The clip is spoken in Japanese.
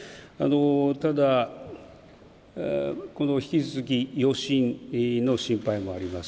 ただ、この引き続き余震の心配もあります。